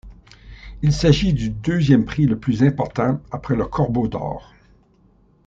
Il s'agit du deuxième prix le plus important après le Corbeau d'or.